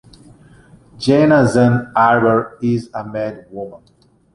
Jenna Zan Arbor is a mad woman.